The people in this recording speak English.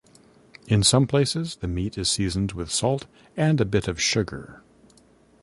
In some places, the meat is seasoned with salt and a bit of sugar.